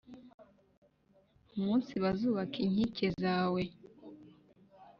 Umunsi bazubaka inkike zawe